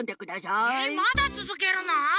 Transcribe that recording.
まだつづけるの！？